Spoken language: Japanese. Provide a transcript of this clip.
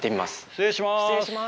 失礼します。